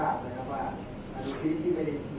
แต่ว่าไม่มีปรากฏว่าถ้าเกิดคนให้ยาที่๓๑